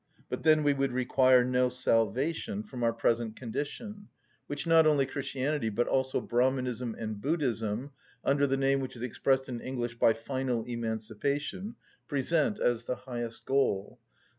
But then we would require no salvation from our present condition, which not only Christianity but also Brahmanism and Buddhism (under the name which is expressed in English by final emancipation) present as the highest goal, _i.